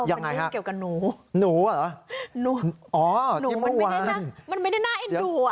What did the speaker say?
ยังไงฮะหนูเหรออ๋อที่เมื่อวานมันไม่ได้น่าเอ็นดูอ่ะ